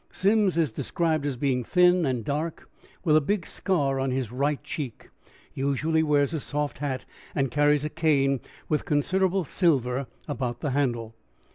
Simms is described as being thin and dark, with a big scar on his right cheek, usually wears a soft hat, and carries a cane with considerable silver about the handle.